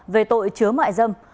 về tội chứa mại dâm